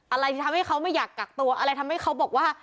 อะไรที่ทำให้เขาไม่อยากกักตัวอะไรทำให้เขาบอกว่า